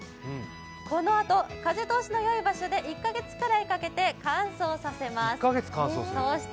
このあと風通しのよい場所で１か月くらいかけて乾燥させます。